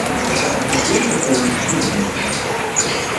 Tezgam teddrem deg tuggdi.